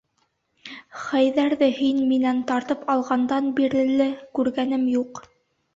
Хәйҙәрҙе һин минән тартып алғандан бирле күргәнем юҡ.